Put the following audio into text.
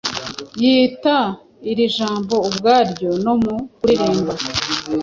yita iri jambo ubwaryo nomu kuririmba